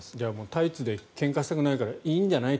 タイツでけんかしたくないからいいんじゃない？